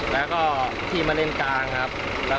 แล้วก็ทีมันเล็งกลางครับ